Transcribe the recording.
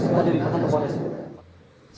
oh jadi lipatkan ke kores